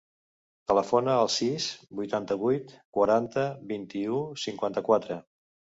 Telefona al sis, vuitanta-vuit, quaranta, vint-i-u, cinquanta-quatre.